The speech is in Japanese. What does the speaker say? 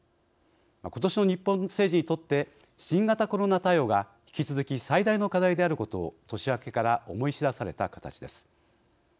ことしの日本政治にとって新型コロナ対応が引き続き最大の課題であることを年明けから思い知らされた形です。